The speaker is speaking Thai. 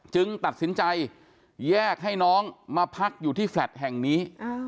ตัดสินใจแยกให้น้องมาพักอยู่ที่แฟลต์แห่งนี้